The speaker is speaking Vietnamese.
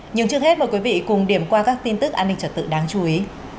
nhưng trước hết mời quý vị cùng điểm qua các tin tức an ninh trật tự đáng chú ý